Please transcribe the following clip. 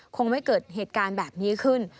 คงไม่เกิดเหตุการณ์แบบนี้ขึ้น